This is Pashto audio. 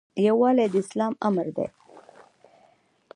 یووالی د اسلام امر دی